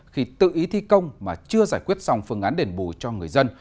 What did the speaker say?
khi tự ý thi công mà chưa giải quyết xong phương án đền bù cho người dân